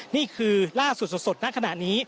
นี่คือล่าสุดสดณขณะนี้